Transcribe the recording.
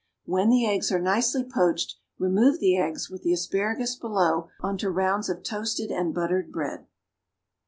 When the eggs are nicely poached, remove the eggs, with the asparagus below, on to rounds of toasted and buttered bread.